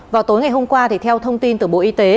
vào tối ngày hôm qua thì theo thông tin từ bộ y tế